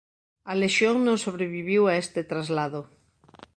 A lexión non sobreviviu a este traslado.